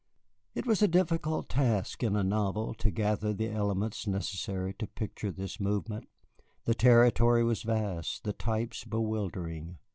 It was a difficult task in a novel to gather the elements necessary to picture this movement: the territory was vast, the types bewildering.